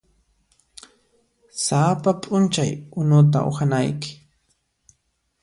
Sapa p'unchay unuta uhanayki.